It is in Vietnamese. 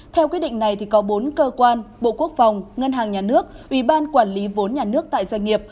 theo quyết định này có bốn cơ quan bộ quốc phòng ngân hàng nhà nước ủy ban quản lý vốn nhà nước tại doanh nghiệp